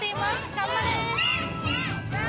頑張れ！